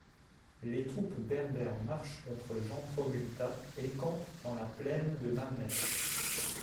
Les troupes berbères marchent contre Jean Troglita et campent dans la plaine de Mammès.